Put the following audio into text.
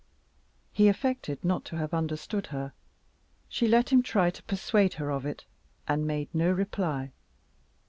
He affected not to have understood her. She let him try to persuade her of it, and made no reply.